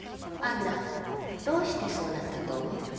杏奈どうしてそうなったと思う？